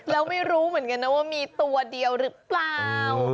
แล้วไม่รู้เหมือนกันนะว่ามีตัวเดียวหรือเปล่า